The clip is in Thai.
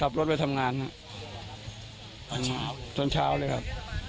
ขับรถไปทำงานครับตอนเช้าเลยครับ